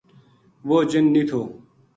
وہ جن نیہہ تھو